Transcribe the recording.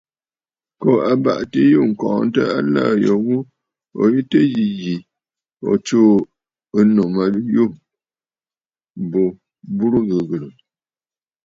Kǒ abàʼati yû ŋ̀kɔɔntə aləə̀ yo ghu, ǹyi tɨ yǐ zì ǹtsuu ànnù ma yû bǔ burə ghɨghɨ̀rə̀!